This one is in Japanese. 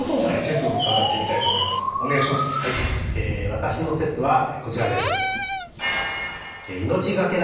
私の説はこちらです。